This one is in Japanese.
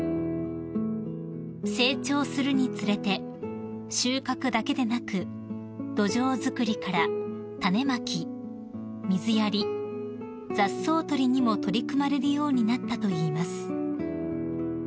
［成長するにつれて収穫だけでなく土壌づくりから種まき水やり雑草取りにも取り組まれるようになったといいます］